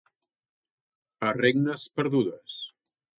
A regnes perdudes.